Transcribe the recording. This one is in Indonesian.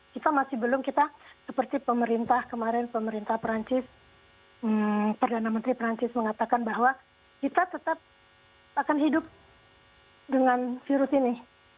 kita masih belum kita seperti pemerintah kemarin pemerintah perancis perdana menteri perancis mengatakan bahwa kita tetap akan hidup dengan virus ini